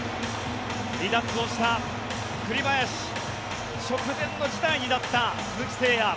離脱をした栗林直前の辞退になった鈴木誠也。